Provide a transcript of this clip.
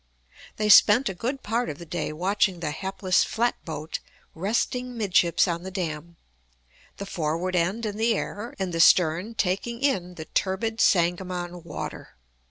They spent a good part of the day watching the hapless flat boat, resting midships on the dam, the forward end in the air and the stern taking in the turbid Sangamon water.